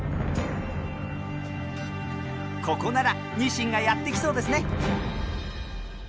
ここならニシンがやって来そうですね。